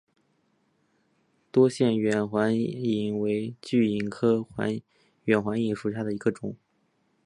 多腺远环蚓为巨蚓科远环蚓属下的一个种。